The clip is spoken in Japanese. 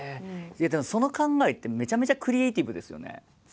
その考えってめちゃめちゃクリエイティブですよね。